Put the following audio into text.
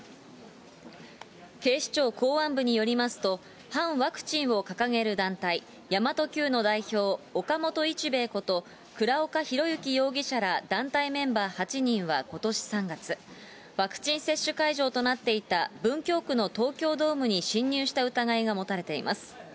警視庁公安部によりますと、反ワクチンを掲げるやまとＱの代表、岡本一兵衛こと倉岡ひろゆき容疑者ら団体メンバー８人はことし３月、ワクチン接種会場となっていた文京区の東京ドームに侵入した疑いが持たれています。